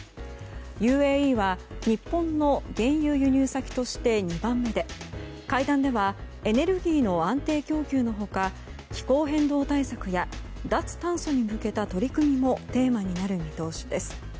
ＵＡＥは日本の原油輸入先として２番目で会談ではエネルギーの安定供給の他気候変動対策や脱炭素に向けた取り組みもテーマになる見通しです。